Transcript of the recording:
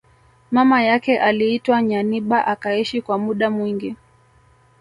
Mama yake aliitwa Nyanibah akaishi kwa muda mwingi